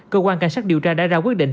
cơ quan cảnh sát điều tra đã ra quyết định